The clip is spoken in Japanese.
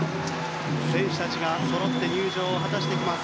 選手たちがそろって入場を果たしてきます。